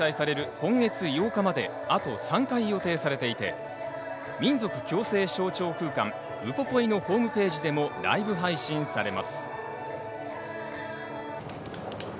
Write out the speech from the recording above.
今月８日まで、あと３回予定されていて、民族共生象徴空間ウポポイのホームページなどでもライブ配信されます。